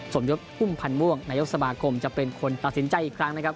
สมยศพุ่มพันธ์ม่วงนายกสมาคมจะเป็นคนตัดสินใจอีกครั้งนะครับ